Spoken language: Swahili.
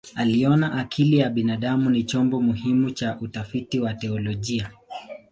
Aliona akili ya binadamu ni chombo muhimu cha utafiti wa teolojia.